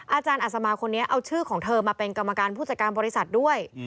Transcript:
อาจารย์อัศมาคนนี้เอาชื่อของเธอมาเป็นกรรมการผู้จัดการบริษัทด้วย